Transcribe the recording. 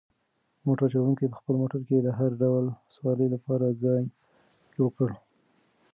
موټر چلونکي په خپل موټر کې د هر ډول سوارلۍ لپاره ځای جوړ کړ.